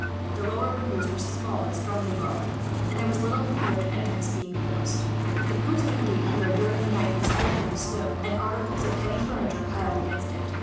The lower windows were small and strongly barred, and there was little fear of an entrance being forced. The postern gate here had, during the night, been strengthened with stones; and articles of heavy furniture piled against it.